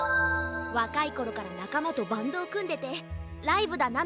わかいころからなかまとバンドをくんでてライブだ